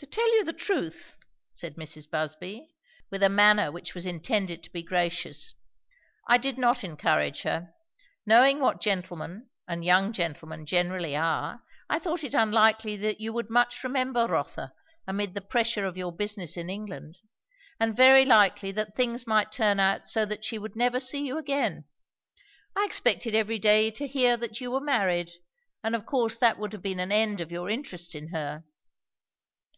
"To tell you the truth," said Mrs. Busby, with a manner which was intended to be gracious, "I did not encourage her. Knowing what gentlemen, and young gentlemen, generally are, I thought it unlikely that you would much remember Rotha amid the pressure of your business in England, and very likely that things might turn out so that she would never see you again. I expected every day to hear that you were married; and of course that would have been an end of your interest in her."